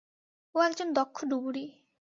ও একজন দক্ষ ডুবুরি।